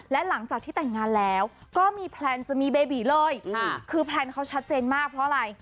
และหลังจากที่แต่งงานแล้วก็มีแพลนจะมีเบบีเลยคือแพลนเขาชัดเจนมากเพราะอะไร